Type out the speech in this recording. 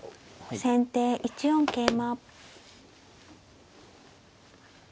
先手１四桂馬。